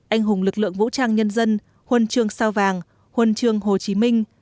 anh hùng lực lượng vũ trang nhân dân huân trường sao vàng huân trường hồ chí minh